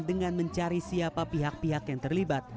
dengan mencari siapa pihak pihak yang terlibat